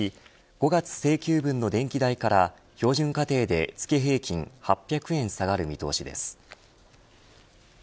５月請求分の電気代から標準家庭で月平均８００円下がる見通しです。